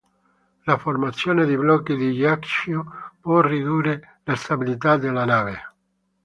La formazione di blocchi di ghiaccio può ridurre la stabilità della nave.